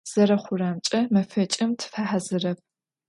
Zerexhuremç'e, mefeç'ım tıfehazırep.